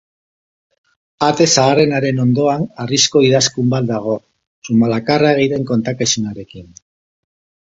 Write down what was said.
Ate zaharrenaren ondoan harrizko idazkun bat dago, Zumalakarregiren kontakizunarekin.